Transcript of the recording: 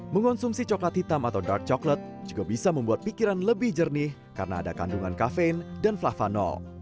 mengonsumsi coklat hitam atau dark coklat juga bisa membuat pikiran lebih jernih karena ada kandungan kafein dan flavano